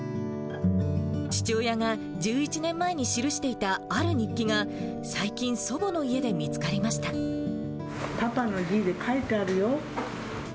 父親が１１年前に記していたある日記が、最近、祖母の家で見つかパパの字で書いてあるよ。